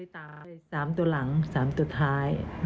๓ตัวหลัง๓ตัวท้าย